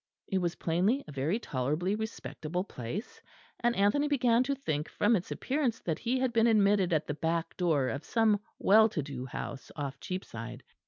It was plainly a very tolerably respectable place; and Anthony began to think from its appearance that he had been admitted at the back door of some well to do house off Cheapside.